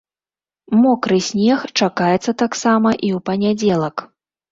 Мокры снег чакаецца таксама і ў панядзелак.